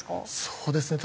そうですね